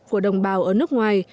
của đồng bào ở nước ngoài